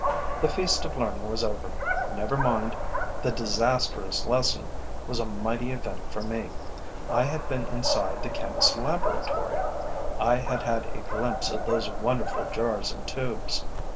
The feast of learning was over. Never mind: the disastrous lesson was a mighty event for me. I had been inside the chemist's laboratory; I had had a glimpse of those wonderful jars and tubes.